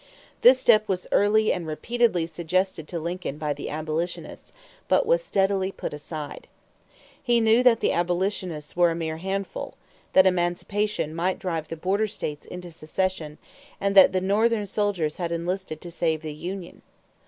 This step was early and repeatedly suggested to Lincoln by the abolitionists; but was steadily put aside. He knew that the abolitionists were a mere handful, that emancipation might drive the border states into secession, and that the Northern soldiers had enlisted to save the union.